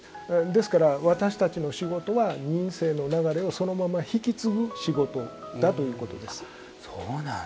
ですから、私たちの仕事は仁清の流れをそのまま引き継ぐ仕事だということです。